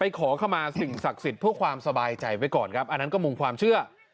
ขอเข้ามาสิ่งศักดิ์สิทธิ์เพื่อความสบายใจไว้ก่อนครับอันนั้นก็มุมความเชื่อ